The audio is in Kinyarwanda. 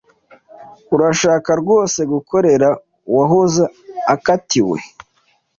Urashaka rwose gukorera uwahoze akatiwe?